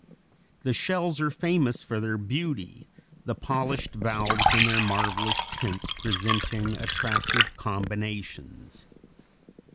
] The shells are famous for their beauty, the polished valves and their marvelous tints presenting attractive combinations.